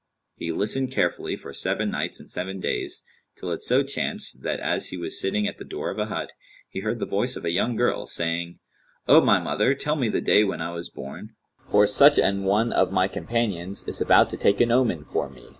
He listened carefully for seven nights and seven days, till it so chanced that, as he was sitting at the door of a hut, he heard the voice of a young girl saying, "O my mother, tell me the day when I was born; for such an one of my companions is about to take an omen[FN#194] for me."